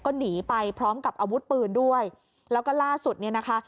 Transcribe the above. ก็หนีไปพร้อมกับอาวุธปืนด้วยแล้วก็ล่าสุดเนี่ยนะคะ